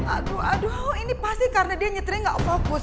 aduh aduh ini pasti karena dia nyetrik gak fokus